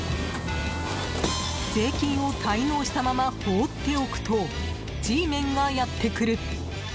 税金を滞納したまま放っておくとＧメンがやってくる。